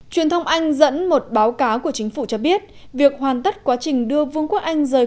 truyền thông anh dẫn một báo cáo của chính phủ cho biết việc hoàn tất quá trình đưa vương quốc anh rời